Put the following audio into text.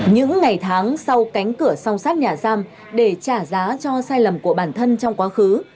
những ngày tháng sau cánh cửa song sát nhà giam để trả giá cho sai lầm của bản thân trong quá khứ